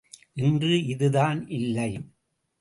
இன்று இதுதான் இல்லை.